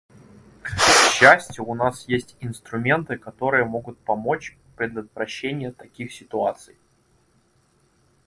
К счастью, у нас есть инструменты, которые могут помочь в предотвращении таких ситуаций.